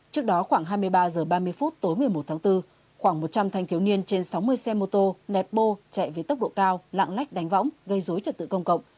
trước đó khoảng hai mươi ba h ba mươi phút tối một mươi một tháng bốn khoảng một trăm linh thanh thiếu niên trên sáu mươi xe mô tô nẹt bô chạy với tốc độ cao lạng lách đánh võng gây dối trật tự công cộng